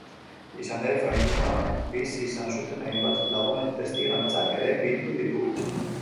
Izan ere, frankismoa bizi izan zuten hainbat lagunen testigantzak ere bildu ditugu.